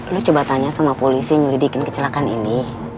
lu coba tanya sama polisi nyelidikin kecelakaan ini